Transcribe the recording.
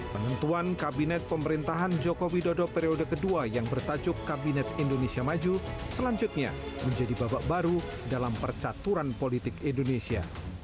penentuan kabinet pemerintahan joko widodo periode kedua yang bertajuk kabinet indonesia maju selanjutnya menjadi babak baru dalam percaturan politik indonesia